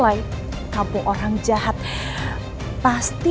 tante aku mau ke rumah tante